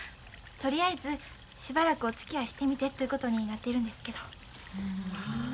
とりあえずしばらくおつきあいしてみてということになってるんですけど。